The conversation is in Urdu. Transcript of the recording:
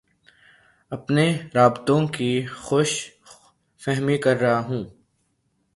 اپنے رابطوں کی خوش فہمی کررہا ہوں